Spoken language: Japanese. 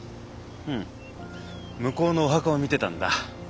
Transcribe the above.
うん向こうのお墓を見てたんだ。